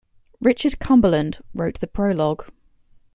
Richard Cumberland wrote the prologue.